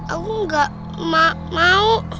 aku gak mau